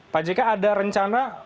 pak jk ada rencana